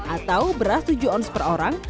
atau beras tujuh ons per orang